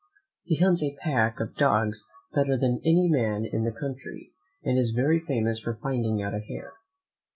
He hunts a pack of dogs better than any man in the country, and is very famous for finding out a hare.